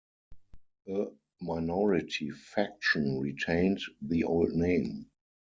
A minority faction retained the old name.